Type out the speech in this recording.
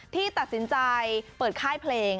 ที่ตัดสินใจเปิดค่ายเพลง